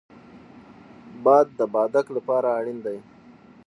باد د بادک لپاره اړین دی